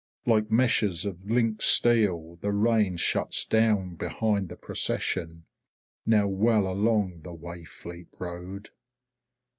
Like meshes of linked steel the rain shuts down behind the procession, now well along the Wayfleet road.